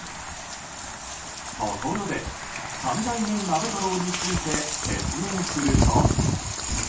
ところで、３代目鍋太郎について説明すると。